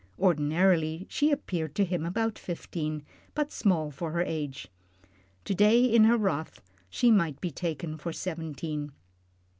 Ordinarily she appeared to him about fifteen, but small for the age. To day in her wrath, she might be taken for seventeen.